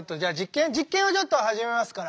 実験をちょっと始めますから。